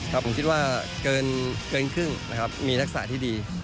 ผมคิดว่าเกินครึ่งนะครับมีทักษะที่ดี